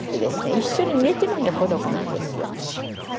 一緒に寝てもね孤独なんですよ。